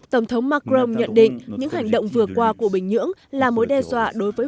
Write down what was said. tổng thống macron nhận định những hành động vừa qua của bình nhưỡng là mối đe dọa đối với